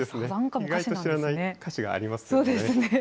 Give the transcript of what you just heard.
意外と知らない歌詞がありますよね。